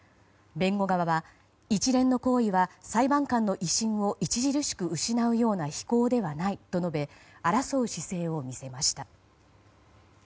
弁護側は、一連の行為は裁判官の威信を著しく失うような非行ではないと述べ争う姿勢を見せました。